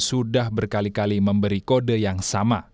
sudah berkali kali memberi kode yang sama